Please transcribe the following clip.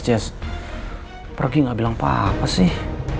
jess pergi gak bilang papa sih